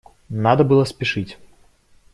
Надо было спешить.